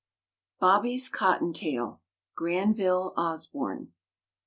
BOBBY'S "COTTON TAIL." GRANVILLE OSBORNE.